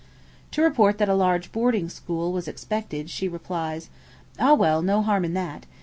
To a report that a large boarding school was expected she replies, 'Ah, well, no harm in that.